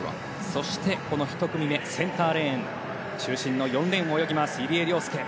そしてこの１組目、センターレーン中心の４レーンを泳ぎます入江陵介。